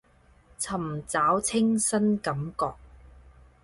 尋找清新感覺